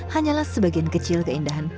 hanyalah sebagian kecil keindahan tahu kok